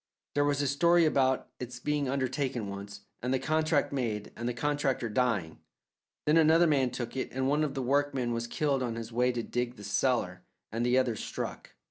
There was a story about it's being undertaken once, and the contract made, and the contractor dying; then another man took it and one of the workmen was killed on his way to dig the cellar, and the others struck.